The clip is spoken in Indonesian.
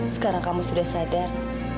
sekarang kamu sudah sadar